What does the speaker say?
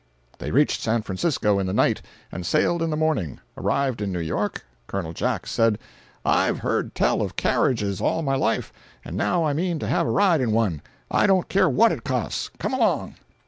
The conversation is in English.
They reached San Francisco in the night, and sailed in the morning. Arrived in New York, Col. Jack said: "I've heard tell of carriages all my life, and now I mean to have a ride in one; I don't care what it costs. Come along."